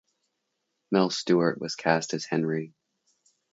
Mel Stewart was cast as Henry.